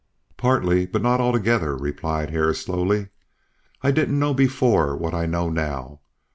"Partly, but not altogether," replied Hare, slowly. "I didn't know before what I know now.